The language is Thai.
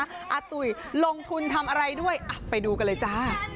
อาตุ๋ยลงทุนทำอะไรด้วยไปดูกันเลยจ้า